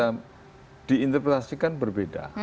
tapi itu bisa diinterpretasikan berbeda